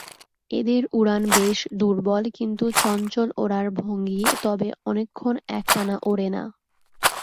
এদের উড়ান বেশ দুর্বল কিন্তু চঞ্চল ওড়ার ভঙ্গি তবে অনেকক্ষণ একটানা ওড়ে না।